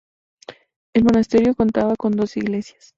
El monasterio contaba con dos iglesias.